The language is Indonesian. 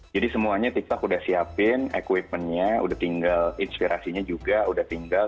jadi semuanya tiktok udah siapin equipmentnya udah tinggal inspirasinya juga udah tinggal